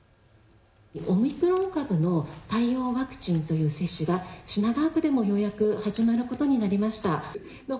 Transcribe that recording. オミクロン株の対応ワクチンという接種が品川区でもようやく始まることになりました。